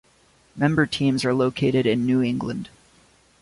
Member teams are located in New England.